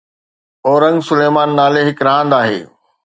اورنگ سليمان نالي هڪ راند آهي